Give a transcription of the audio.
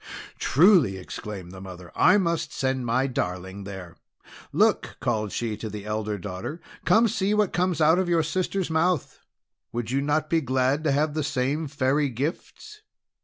"Truly!" exclaimed the mother; "I must send my darling there! Look!" called she to the elder daughter; "see what comes out of your sister's mouth. Would you not be glad to have the same Fairy gifts?